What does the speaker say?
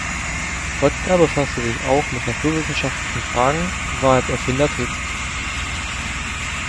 Röttger befasste sich auch mit naturwissenschaftlichen Fragen und war als Erfinder tätig.